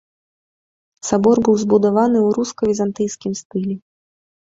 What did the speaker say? Сабор быў збудаваны ў руска-візантыйскім стылі.